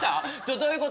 どういうこと？